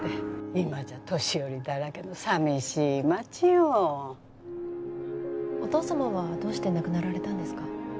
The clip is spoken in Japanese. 今じゃ年寄りだらけのさみしい町よお父様はどうして亡くなられたんですか？